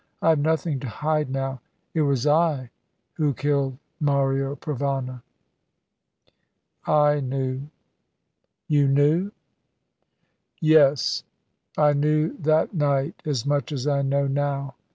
I have nothing to hide now. It was I who killed Mario Provana." "I knew." "You knew?" "Yes, I knew that night as much as I know now.